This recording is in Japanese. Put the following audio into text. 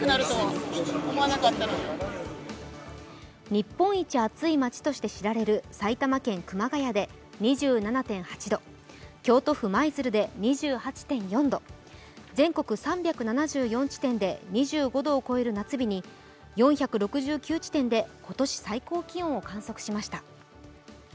日本一暑い街として知られる埼玉県・熊谷で２７．８度、京都府舞鶴で２８．４度全国３７４地点で２５度を超える夏日に４６９地点で今年最高気温を観測しました。